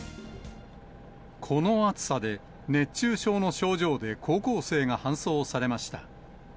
この暑さで、熱中症の症状で高校生が搬送されました。